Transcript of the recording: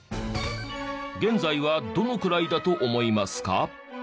現在はどのくらいだと思いますか？